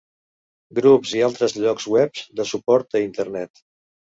Grups i altres llocs web de suport a internet.